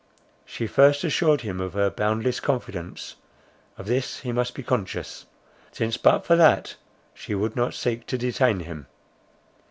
She first assured him of her boundless confidence; of this he must be conscious, since but for that she would not seek to detain him.